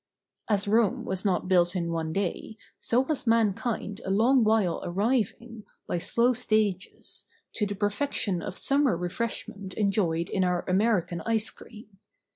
S Rome was not built in one day, so was man¬ kind a long while arriving, by slow stages, to the perfection of summer refreshment en¬ joyed in our American ice cream.